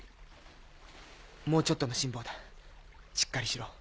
もうちょっとの辛抱だしっかりしろ。